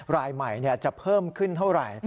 รายใหม่จะเพิ่มขึ้นเท่าไหร่